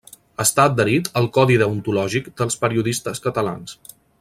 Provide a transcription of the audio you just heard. Està adherit al Codi Deontològic dels Periodistes Catalans.